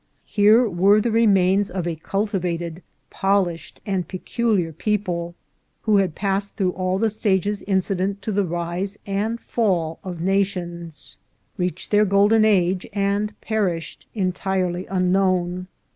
Here were the remains of a cultivated, polished, and peculiar people, who had passed through all the stages incident to the rise and fall of na tions ; reached their golden age, and perished, entirely unknown.